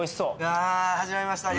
ああ始まりました